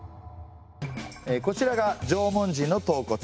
こちらが縄文人の頭骨。